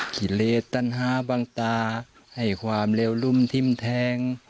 กิเลสตัญหาบังตาให้ความเลวรุ่มทิ้มแทง